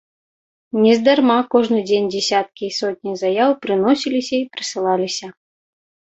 Нездарма кожны дзень дзесяткі і сотні заяў прыносіліся і прысылаліся.